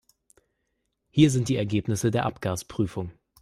Hier sind die Ergebnisse der Abgasprüfung.